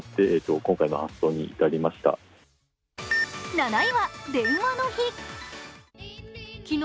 ７位は電話の日。